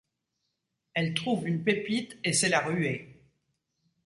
Elle trouve une pépite et c'est la ruée.